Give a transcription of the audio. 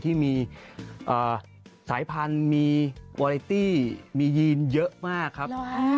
ที่มีสายพันธุ์มีวอเลตี้มียีนเยอะมากครับ